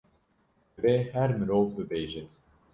divê her mirov bibêje